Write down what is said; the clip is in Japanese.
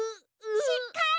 しっかり！